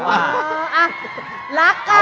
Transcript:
อ๋ออ่าลักกัน